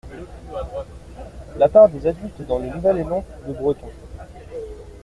La part des adultes dans le nouvel élan du breton.